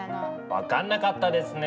分かんなかったですね。